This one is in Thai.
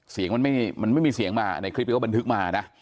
เสียงมันไม่มีเสียงมาในคลิปที่เขาบันทึกมานะ